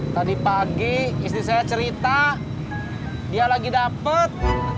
tadi pagi istri saya cerita dia lagi dapat